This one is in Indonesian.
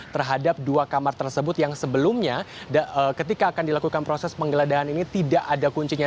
terhadap dua kamar tersebut yang sebelumnya ketika akan dilakukan proses penggeledahan ini tidak ada kuncinya